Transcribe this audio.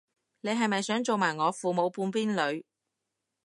你係咪想做埋我父母半邊女